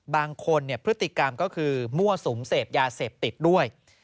บางคนพฤติกรรมก็คือมั่วสุมเสพยาเสพติดด้วย